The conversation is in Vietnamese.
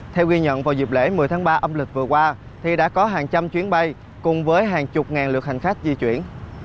theo ghi nhận vào dịp lễ một mươi tháng ba âm lịch vừa qua thì đã có hàng trăm chuyến bay cùng với hàng chục ngàn lượt hành khách di chuyển